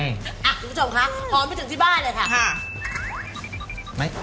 คุณผู้ชมคะหอมไปถึงที่บ้านเลยค่ะ